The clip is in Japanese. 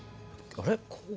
あれ？